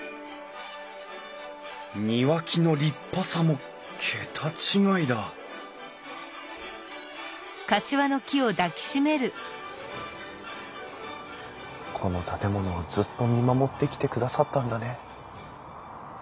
庭木の立派さも桁違いだこの建物をずっと見守ってきてくださったんだね。